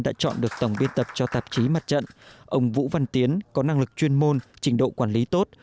đã chọn được tổng biên tập cho tạp chí mặt trận ông vũ văn tiến có năng lực chuyên môn trình độ quản lý tốt